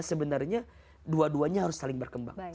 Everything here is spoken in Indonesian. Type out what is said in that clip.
sebenarnya dua duanya harus saling berkembang